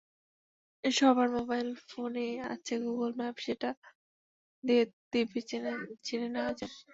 সবার মোবাইল ফোনেই আছে গুগল ম্যাপ, সেটা দিয়ে দিব্যি চিনে নেওয়া যায়।